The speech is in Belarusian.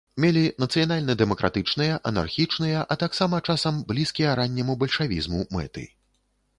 Мелі нацыянальна-дэмакратычныя, анархічныя, а таксама, часам, блізкія ранняму бальшавізму мэты.